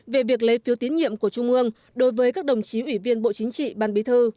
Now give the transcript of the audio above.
về việc lấy phiếu tín nhiệm của trung ương đối với các đồng chí ủy viên bộ chính trị ban bí thư